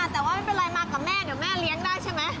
แต่ว่าไม่เป็นไรมากับแม่เดี๋ยวแม่เลี้ยงได้ใช่ไหม